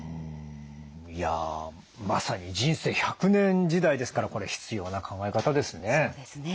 いやまさに人生１００年時代ですからこれ必要な考え方ですね。